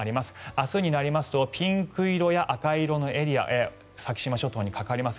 明日になりますとピンク色や赤色のエリア先島諸島にかかります。